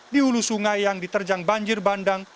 di hulu sungai yang diterjang banjir bandang